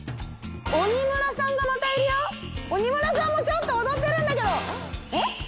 鬼村さんがまたいるよ鬼村さんもちょっと踊ってるんだけどえっ？